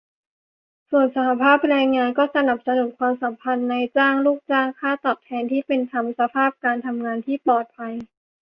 ส่วนสหภาพแรงงาน ก็สนับสนุนความสัมพันธ์นายจ้าง-ลูกจ้าง ค่าตอบแทนที่เป็นธรรม สภาพการทำงานที่ปลอดภัย